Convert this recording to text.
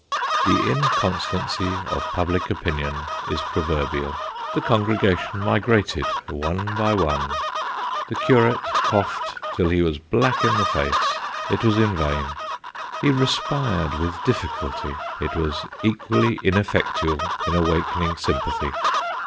The inconstancy of public opinion is proverbial : the congregation migrated one by one. The curate coughed till he was black in the face it was iu vain. He respired with difficulty it was equally ineffectual in awakening sympathy.